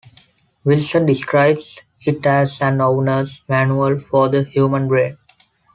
Wilson describes it as an "owner's manual for the human brain".